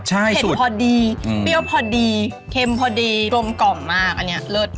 ใช่เผ็ดพอดีเปรี้ยวพอดีเค็มพอดีกลมกล่อมมากอันนี้เลิศ